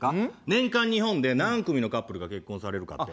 年間日本で何組のカップルが結婚されるかって。